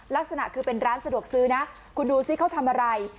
ลักษณะคือเป็นร้านสะดวกซื้อนะคุณดูสิเขาทำอะไร